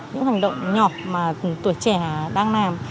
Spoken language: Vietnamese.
những hành động nhỏ mà tuổi trẻ đang làm